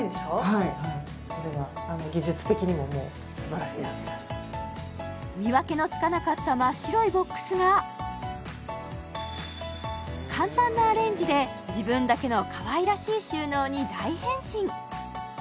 はいこれは技術的にももうすばらしいです見分けのつかなかった真っ白いボックスが簡単なアレンジで自分だけの可愛らしい収納に大変身